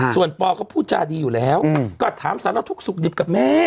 ส่วนปอก็พูดจาดีอยู่แล้วก็ถามสารทุกข์สุขดิบกับแม่